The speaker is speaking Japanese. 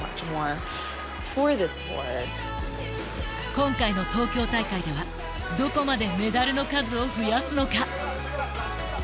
今回の東京大会ではどこまでメダルの数を増やすのか。